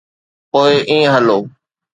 پوءِ ائين هلو.